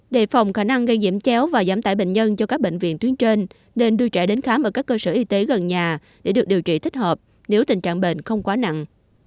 đề phòng khả năng gây diễm chéo và giảm tải bệnh nhân cho các bệnh viện tuyến trên nên đưa trẻ đến khám ở các cơ sở y tế gần nhà để được điều trị thích hợp nếu tình trạng bệnh không quá nặng